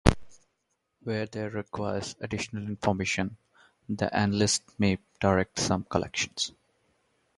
Where there requires additional information, the analyst may direct some collection.